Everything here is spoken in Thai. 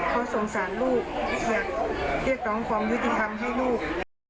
เขาสงสารลูกอยากเรียกร้องความยุติธรรมให้ลูก